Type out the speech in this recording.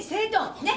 ねっ。